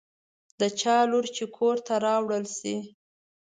د چا لور چې کور ته راوړل شي.